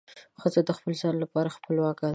ښځه د خپل ځان لپاره خپلواکه ده.